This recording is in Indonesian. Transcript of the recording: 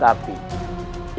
tapi ingin menangkapmu